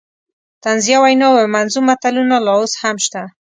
طنزیه ویناوې او منظوم متلونه لا اوس هم شته.